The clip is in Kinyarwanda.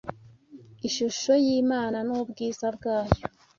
ishusho y’Imana n’ubwiza bwayo